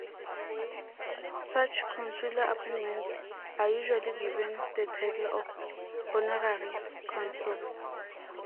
Such consular appointments are usually given the title of "honorary consul".